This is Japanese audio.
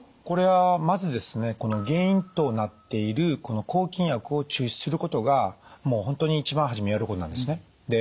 これはまずですね原因となっている抗菌薬を中止することがもう本当に一番初めやることなんですね。